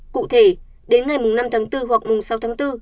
cụ thể đến ngày mùng năm tháng bốn hoặc mùng sáu tháng bốn